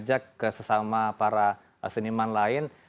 dan juga kita ajak ke sesama para seniman lain